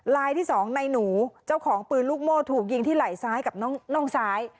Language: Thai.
ลายที่สองในหนูเจ้าของปืนลูกโม่ถูกยิงที่ไหล่ซ้ายกับน่องซ้าย